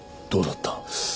どうだった？